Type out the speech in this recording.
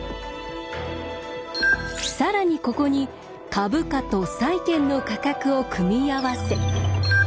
更にここに株価と債券の価格を組み合わせ